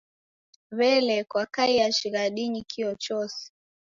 W'ele, kwakaia shighadinyi kio chose?